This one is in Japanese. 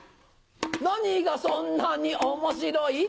何がそんなに面白い？